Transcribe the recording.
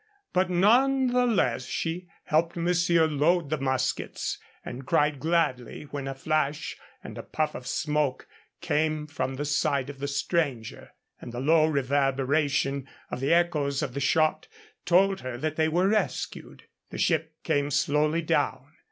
But none the less she helped monsieur load the muskets, and cried gladly when a flash and a puff of smoke came from the side of the stranger, and the low reverberation of the echoes of the shot told her that they were rescued. The ship came slowly down.